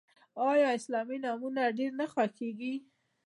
آیا اسلامي نومونه ډیر نه خوښیږي؟